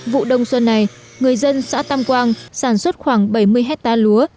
vụ đông xuân này người dân xã tam quang sản xuất khoảng bảy mươi hectare lúa